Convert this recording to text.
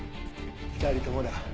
２人ともだ。